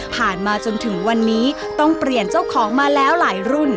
มาจนถึงวันนี้ต้องเปลี่ยนเจ้าของมาแล้วหลายรุ่น